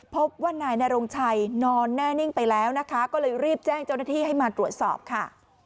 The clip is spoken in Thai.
พบว่านายนรงชัยนอนแน่นิ่งไปแล้วนะคะก็เลยรีบแจ้งเจ้าหน้าที่ให้มาตรวจสอบค่ะ